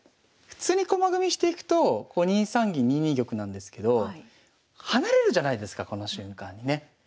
普通に駒組みしていくと２三銀２二玉なんですけど離れるじゃないですかこの瞬間にね。